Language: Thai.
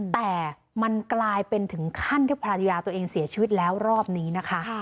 แต่มันกลายเป็นถึงขั้นที่ภรรยาตัวเองเสียชีวิตแล้วรอบนี้นะคะ